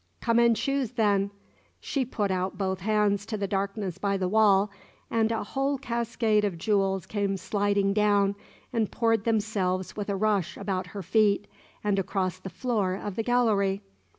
"Come and choose, then!" She put out both hands to the darkness by the wall, and a whole cascade of jewels came sliding down and poured themselves with a rush about her feet and across the floor of the gallery.